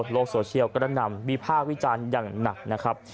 โลกโซเชียลกระนำวิภาควิจารณ์อย่างหนักนะครับ